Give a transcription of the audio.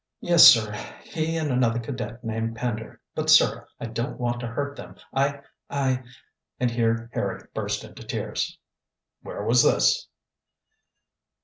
"Yes, sir, he and another cadet named Pender. But, sir, I don't want to hurt them. I I " and here Harry burst into tears. "Where was this?"